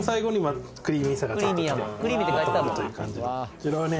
こちらはね